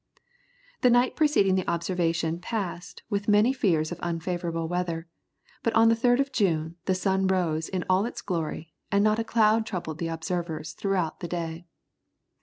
The night preceding the observation passed with many fears of unfavourable weather, but on the 3rd of June, the sun rose in all its glory, and not a cloud troubled the observers throughout the day.